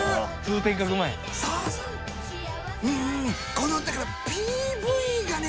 このだからＰＶがね